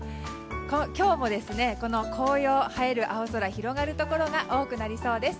今日も紅葉映える青空が広がるところが多くなりそうです。